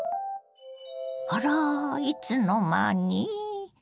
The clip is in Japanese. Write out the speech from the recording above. あらいつの間に。